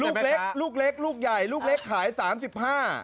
ลูกเล็กลูกเล็กลูกใหญ่ลูกเล็กขายสามสิบห้า